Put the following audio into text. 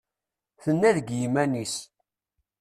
Tenna deg yiman-is.